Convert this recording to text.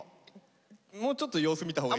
もうちょっと様子見たほうがいい。